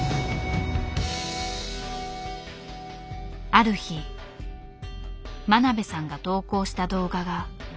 ある日真鍋さんが投稿した動画が話題になった。